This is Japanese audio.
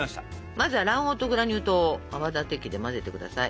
まずは卵黄とグラニュー糖を泡立て器で混ぜてください。